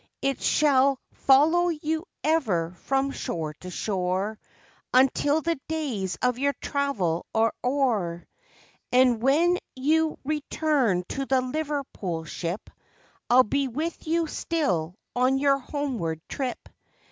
It shall follow you ever from .shore to shore, un¬ til the days of your travel are o'er. And when you re¬ turn to the Liverpool ship, I'll be with you still on your homeward trip.